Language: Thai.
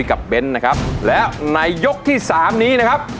ยุ้ยกับเบนนะครับแล้วในยกที่สามนี้นะครับ